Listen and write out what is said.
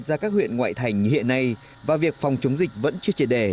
do các huyện ngoại thành hiện nay và việc phòng chống dịch vẫn chưa chế đề